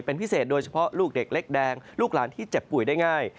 เป็นพิเศษโดยเฉพาะลูกเด็กเล็กแดงลูกหลานที่เจ็บป่วยได้ง่าย